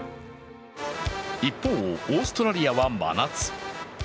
一方、オーストラリアは真夏。